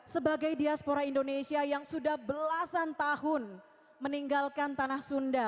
sebagai diaspora indonesia yang sudah belasan tahun meninggalkan tanah sunda